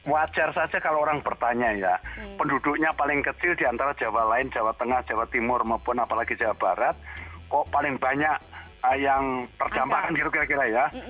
wajar saja kalau orang bertanya ya penduduknya paling kecil diantara jawa lain jawa tengah jawa timur maupun apalagi jawa barat kok paling banyak yang terdampak kan gitu kira kira ya